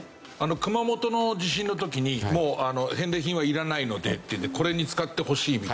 熊本の地震の時にもう返礼品はいらないのでっていうんでこれに使ってほしいみたいな。